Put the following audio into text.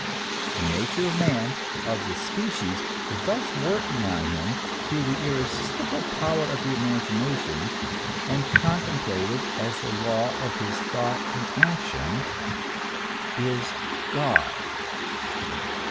The nature of man, of the species thus working on him through the irresistible power of the imagination, and contemplated as the law of his thought and action is God.